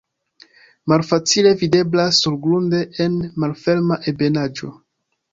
Malfacile videblas surgrunde en malferma ebenaĵo.